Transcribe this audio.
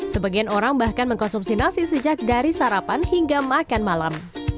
sebagian orang bahkan mengkonsumsi nasi sejak dari sarapan hingga makan malam